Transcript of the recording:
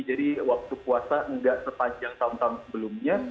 waktu puasa nggak sepanjang tahun tahun sebelumnya